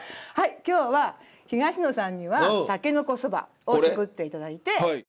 今日は東野さんにはたけのこそばを作って頂いて。